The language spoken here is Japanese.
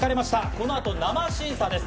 このあと生審査です。